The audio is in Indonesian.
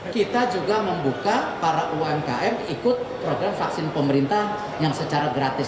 kita juga membuka para umkm ikut program vaksin pemerintah yang secara gratis